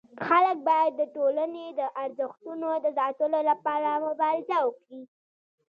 خلک باید د ټولني د ارزښتونو د ساتلو لپاره مبارزه وکړي.